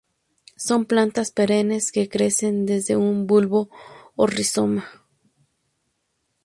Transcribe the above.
Son plantas perennes que crecen desde un bulbo o rizoma.